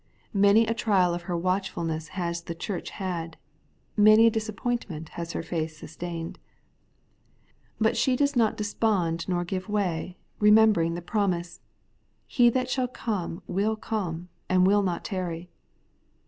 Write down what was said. Many a trial of her watchfulness has the church had, many a disappointment has her faith sustained ; but she does not despond nor give way, remembering the promise, ' He that shall come will come, and wiU not tarry.'